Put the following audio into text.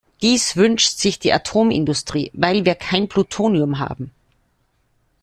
Dies wünscht sich die Atomindustrie, weil wir kein Plutonium haben.